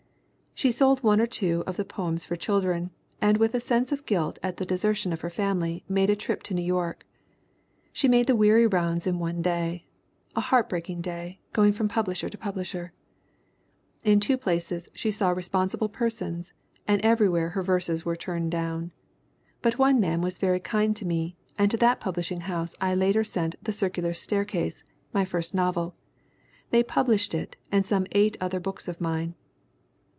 She sold one or two of the poems for children and with a sense of guilt at the desertion of her family made a trip to New York. She made the weary rounds in one day, "a heart breaking day, going from publisher to publisher." In two places she saw responsible persons and every where her verses were turned down. "But one man was very kind to me, and to that publishing house I later sent The Circular Staircase, my first novel. They published it and some eight other books of mine."